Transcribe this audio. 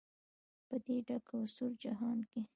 په دې ډک او سوړ جهان کې.